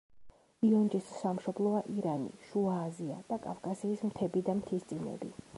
იონჯის სამშობლოა ირანი, შუა აზია და კავკასიის მთები და მთისწინები.